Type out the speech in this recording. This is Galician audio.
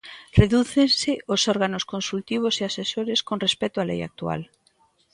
Redúcense os órganos consultivos e asesores con respecto á lei actual.